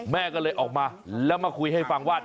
แม่ก็เลยออกมาแล้วมาคุยให้ฟังว่า